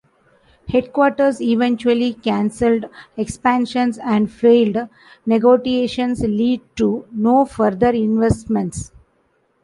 Headquarters eventually canceled expansion and failed negotiations lead to no further investments.